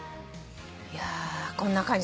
いやこんな感じですよ